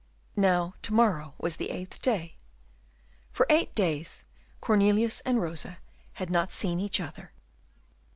Now to morrow was the eighth day. For eight days Cornelius and Rosa had not seen each other.